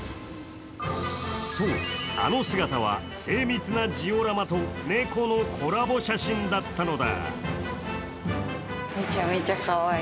そう、あの姿は精密なジオラマと猫のコラボ写真だったのだ。